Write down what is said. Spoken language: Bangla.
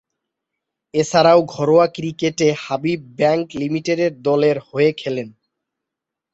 এছাড়াও, ঘরোয়া ক্রিকেটে হাবিব ব্যাংক লিমিটেড দলের হয়ে খেলেন।